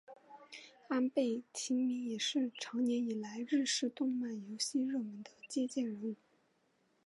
安倍晴明也是长年以来日式动漫游戏热门的借鉴人物。